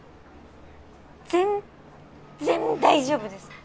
全然大丈夫です。